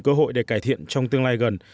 cơ hội để cải thiện trong tương lai gần